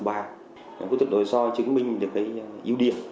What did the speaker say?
phẫu thuật đổi soi chứng minh được cái yếu điểm